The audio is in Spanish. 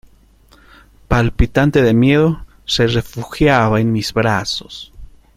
palpitante de miedo, se refugiaba en mis brazos.